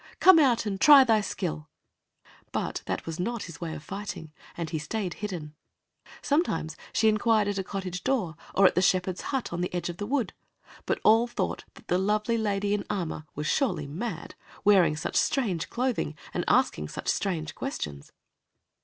Come out and try thy skill!" But that was not his way of fighting, and he stayed hidden. Sometimes she inquired at a cottage door or at a shepherd's hut on the edge of the wood, but all thought that the lovely lady in armor was surely mad, wearing such strange clothing and asking such strange questions.